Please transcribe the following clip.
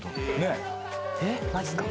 ええっマジっすか？